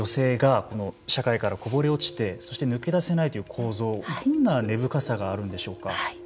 女性が社会からこぼれ落ちてそして抜け出せないという構造どんな根深さがあるんでしょうか。